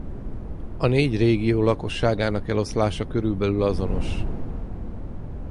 A négy régió lakosságának eloszlása körülbelül azonos.